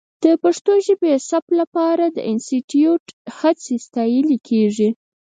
د پښتو ژبې د ثبت لپاره د انسټیټوت هڅې ستایلې کېږي.